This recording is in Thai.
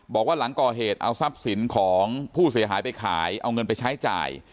บอกว่าหลังก่อเหตุเอาทรัพย์สินของผู้เสียหายไปขายเอาเงินไปใช้จ่าย